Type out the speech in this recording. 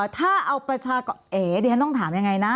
ถ้าเอาประชากรเอ๋ดิฉันต้องถามยังไงนะ